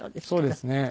そうですね。